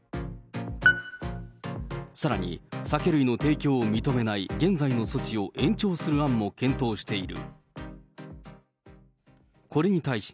さらに、酒類の提供を認めない、現在の措置を延長する案も検討している。